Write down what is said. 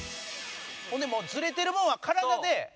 ほんでもうずれてる分は体で。